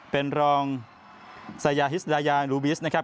เป็นรองซายาฮิสดายายลูบิสนะครับ